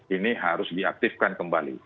ini harus diaktifkan kembali